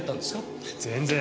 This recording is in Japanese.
全然。